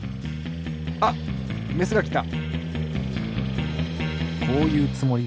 あっメスがきた！